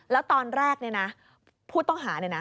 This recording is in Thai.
แล้วตอนแรกเนี่ยนะผู้ต้องหาเนี่ยนะ